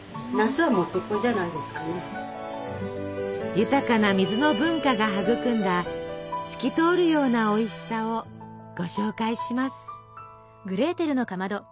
豊かな水の文化が育んだ透き通るようなおいしさをご紹介します。